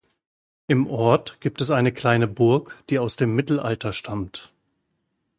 Im Ort gibt es eine kleine Burg, die aus dem Mittelalter stammt.